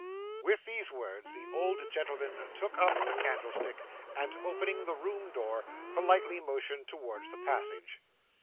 With these words the old gentleman took up the candle stick and opening the room door, politely motioned towards the passage.